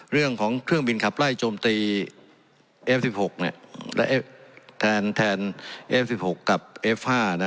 เรื่องของเครื่องบินขับไล่โจมตีเอฟสิบหกเนี่ยและเอฟแทนแทนเอฟสิบหกกับเอฟห้านะ